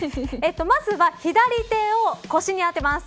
まずは左手を腰にあてます。